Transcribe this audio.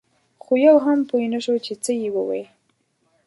خو یو هم پوی نه شو چې څه یې ووې.